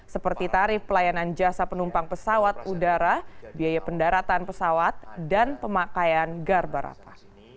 seperti tarif pelayanan jasa penumpang pesawat udara biaya pendaratan pesawat dan pemakaian garbarata